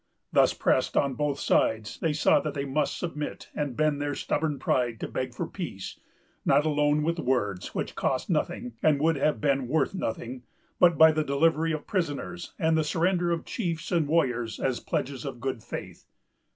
Thus pressed on both sides, they saw that they must submit, and bend their stubborn pride to beg for peace; not alone with words, which cost nothing, and would have been worth nothing, but by the delivery of prisoners, and the surrender of chiefs and warriors as pledges of good faith.